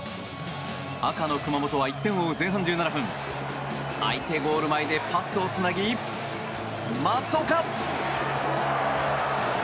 赤の熊本は１点を追う前半１７分相手ゴール前でパスをつなぎ松岡！